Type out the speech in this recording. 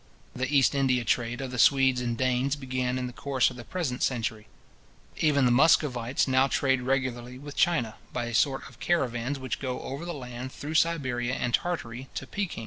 The East India trade of the Swedes and Danes began in the course of the present century. Even the Muscovites now trade regularly with China, by a sort of caravans which go over land through Siberia and Tartary to Pekin.